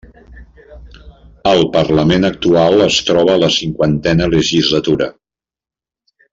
El parlament actual es troba en la cinquantena legislatura.